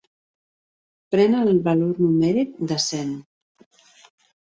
Pren el valor numèric de cent.